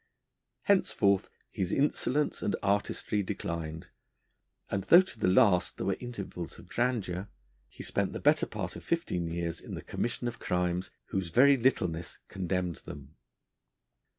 Henceforth, his insolence and artistry declined, and, though to the last there were intervals of grandeur, he spent the better part of fifteen years in the commission of crimes, whose very littleness condemned them.